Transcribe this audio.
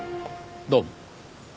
どうも。